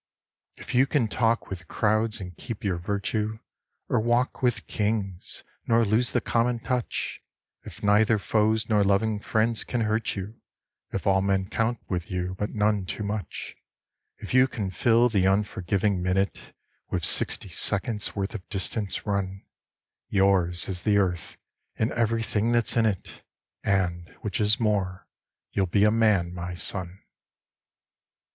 If you can talk with crowds and keep your virtue, Or walk with Kings nor lose the common touch; If neither foes nor loving friends can hurt you, If all men count with you, but none too much; If you can fill the unforgiving minute With sixty seconds' worth of distance run, Yours is the Earth and everything that's in it, And which is more you'll be a Man, my son!